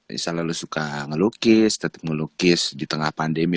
misalnya lo suka ngelukis tetap ngelukis di tengah pandemi